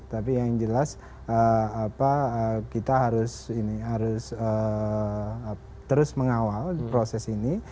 tapi yang jelas kita harus terus mengawal proses ini